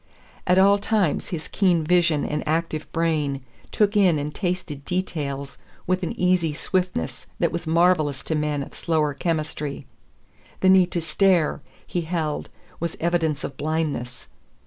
At all times his keen vision and active brain took in and tasted details with an easy swiftness that was marvelous to men of slower chemistry; the need to stare, he held, was evidence of blindness.